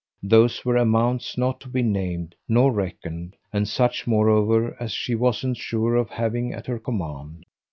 Those were amounts not to be named nor reckoned, and such moreover as she wasn't sure of having at her command.